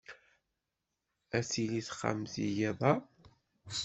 Ad tili texxamt i yiḍ-a?